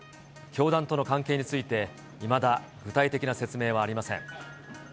教団との関係について、いまだ具体的な説明はありません。